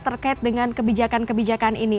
terkait dengan kebijakan kebijakan ini